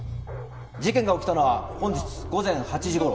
事件が起きたのは本日午前８時頃。